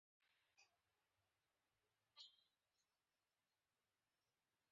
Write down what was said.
তোমাকে লেসবিয়ান বলে তো কোনও গালি দেয়নি!